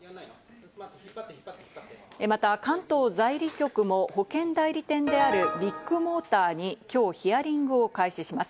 また関東財務局も保険代理店であるビッグモーターにきょうヒアリングを開始します。